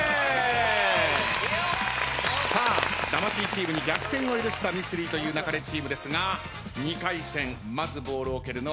さあ魂チームに逆転を許したミステリと言う勿れチームですが２回戦まずボールを蹴るのは原さん。